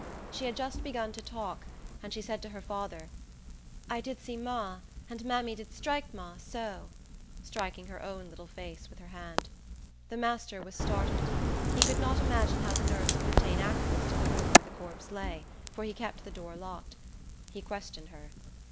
She had just begun to talk; and she said to her father, "I did see ma, and mammy did strike ma, so," striking her own face with her little hand. The master was startled. He could not imagine how the nurse could obtain access to the room where the corpse lay; for he kept the door locked. He questioned her.